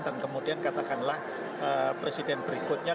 dan kemudian katakanlah presiden berikutnya